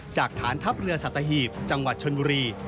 จากฐานทัพเรือสัตหีบจังหวัดชนบุรี